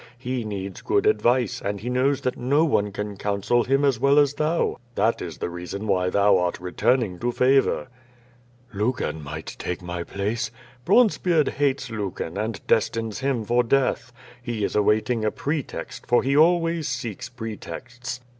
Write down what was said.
He needs good advice, and he knows that no one can counsel him as well as thou. That is the reason why thou art returning to favor." ^Tjucan might take my place." "Bronzebeard hates Lucan, and destines him for death. He is awaiting a pretext, for he always seeks pretexts.